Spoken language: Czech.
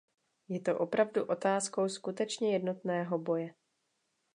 Je to opravdu otázkou skutečně jednotného boje.